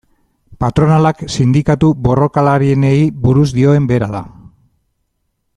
Patronalak sindikatu borrokalarienei buruz dioen bera da.